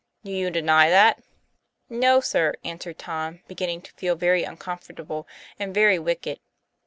Do you deny that?" 'No, sir," answered Tom, beginning to feel very uncomfortable and very wicked.